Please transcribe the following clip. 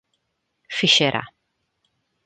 Fischera.